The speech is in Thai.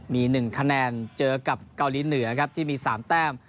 มี๑คะแนนเจอกับเกาหลีเหนือครับที่มี๓แต้ม